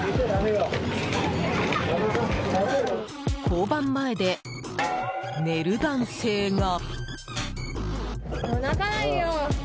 交番前で寝る男性が。